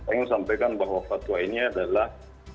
ingin sampaikan bahwa fatwa ini adalah